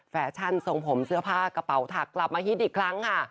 แฟชั่นทรงผมเสื้อผ้ากระเป๋าถักกลับมาฮิตอีกครั้งค่ะ